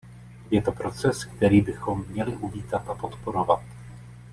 Je to proces, který bychom měli uvítat a podporovat.